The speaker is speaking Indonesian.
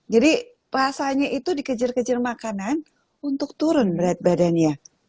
jadi rasanya itu dikejir kejir makanan untuk turun berat badannya